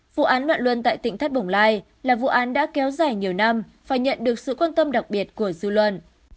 vụ án loạn luân tại tỉnh thắt bồng lai là vụ án đã kéo dài nhiều năm và nhận được sự quan tâm đặc biệt của du luân